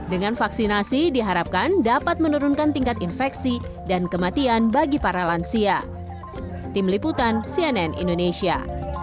dengan vaksinasi diharapkan dapat menurunkan tingkat infeksi dan kematian bagi para lansia